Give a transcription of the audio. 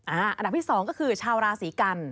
อ่าอาที่๒คือชาวราศิกัณฑ์